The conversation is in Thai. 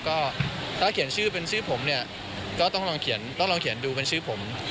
ก็ถ้าเขียนชื่อเป็นชื่อผมเนี่ยก็ต้องลองเขียนต้องลองเขียนดูเป็นชื่อผม